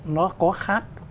nó có khác